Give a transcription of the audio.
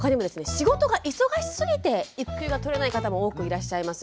仕事が忙しすぎて育休がとれない方も多くいらっしゃいます。